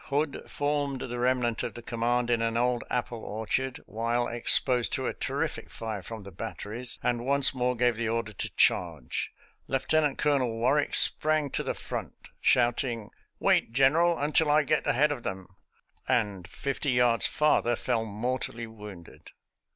Hood formed the remnant of the command in an old apple orchard while exposed to a terrific fire from the batteries, and once more gave the order to charge. Lieutenant Colonel Warwick sprang to the front, shouting, " Wait, General, until I get ahead of them," and fifty yards farther fell mortally wounded.